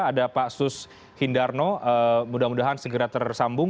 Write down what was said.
ada pak sus hindarno mudah mudahan segera tersambung